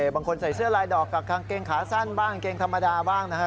บางคนใส่เสื้อลายดอกกับกางเกงขาสั้นบ้างกางเกงธรรมดาบ้างนะฮะ